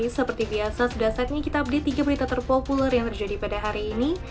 seperti biasa sudah saatnya kita update tiga berita terpopuler yang terjadi pada hari ini